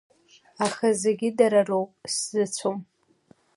Аха зегь дара роуп, сзыцәом.